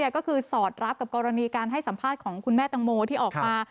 ก็คือสอดรับกับกรณีการให้สัมภาษณ์ของคุณแม่ตังโมที่ออกมา